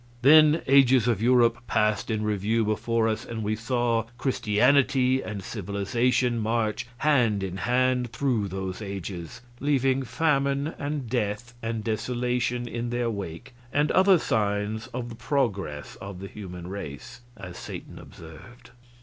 Then ages of Europe passed in review before us, and we saw Christianity and Civilization march hand in hand through those ages, "leaving famine and death and desolation in their wake, and other signs of the progress of the human race," as Satan observed.